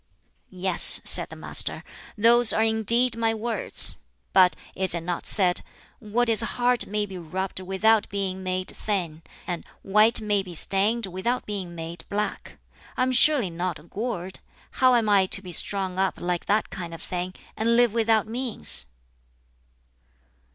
"Yes," said the Master, "those are indeed my words; but is it not said, 'What is hard may be rubbed without being made thin,' and 'White may be stained without being made black'? I am surely not a gourd! How am I to be strung up like that kind of thing and live without means?"